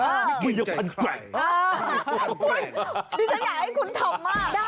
นี่ดิฉันอยากให้คุณทำมาก